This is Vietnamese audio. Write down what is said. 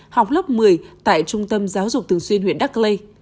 học lớp một mươi tại trung tâm giáo dục thường xuyên huyện đắk lê